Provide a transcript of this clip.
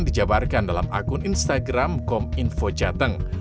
dijabarkan dalam akun instagram kom info jateng